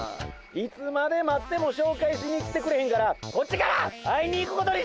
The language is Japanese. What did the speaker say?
いつまで待ってもしょうかいしに来てくれへんからこっちから会いに行くことにしたわ！